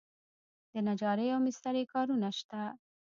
د نجارۍ او مسترۍ کارونه شته؟